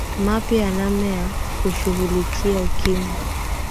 mapya ya namna ya kushughulikia ukimwi